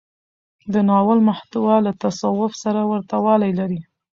د ناول محتوا له تصوف سره ورته والی لري.